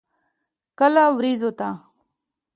کله ورېځو ته.